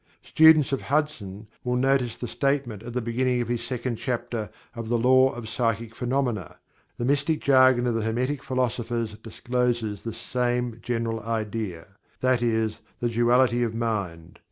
Students of Hudson will notice the statement at the beginning of his second chapter of "The Law of Psychic Phenomena," that: "The mystic jargon of the Hermetic philosophers discloses the same general idea" i.e., the duality of mind.